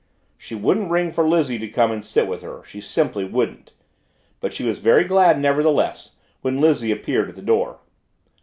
She wouldn't ring for Lizzie to come and sit with her, she simply wouldn't. But she was very glad, nevertheless, when Lizzie appeared at the door.